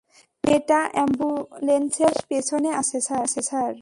মেয়েটা অ্যাম্বুলেন্সের পেছনে আছে, স্যার।